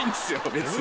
別に。